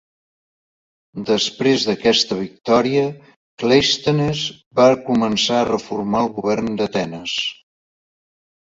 Després d'aquesta victòria, Cleisthenes va començar a reformar el govern d'Atenes.